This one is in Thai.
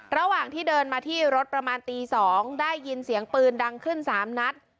ระหว่างที่เดินมาที่รถประมาณตี๒ได้ยินเสียงปืนดังขึ้น๓นัด